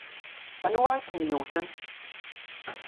Anwa i kem-yewwten?